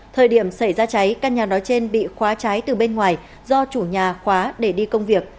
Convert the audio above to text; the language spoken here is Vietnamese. thời điểm xảy ra cháy căn nhà nói trên bị khóa cháy từ bên ngoài do chủ nhà khóa để đi công việc